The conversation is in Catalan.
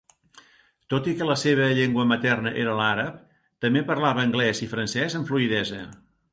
Tot i que la seva llengua materna era l'àrab, també parlava anglès i francès amb fluïdesa.